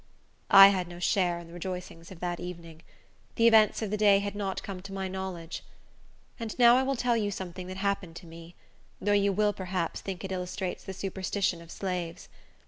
I had no share in the rejoicings of that evening. The events of the day had not come to my knowledge. And now I will tell you something that happened to me; though you will, perhaps, think it illustrates the superstition of slaves.